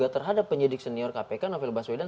terhadap penyidik senior kpk novel baswedan